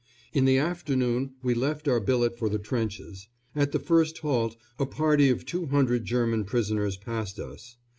In the afternoon we left our billet for the trenches. At the first halt a party of 200 German prisoners passed us.